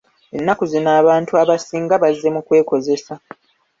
Ennaku zino abantu abasinga bazze mu kwekozesa.